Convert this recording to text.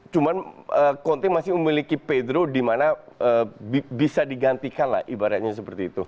cuman conti masih memiliki pedro dimana bisa digantikan lah ibaratnya seperti itu